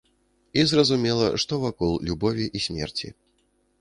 І зразумела, што вакол любові і смерці.